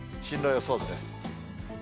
進路予想図です。